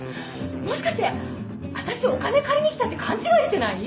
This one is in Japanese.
もしかして私お金借りに来たって勘違いしてない？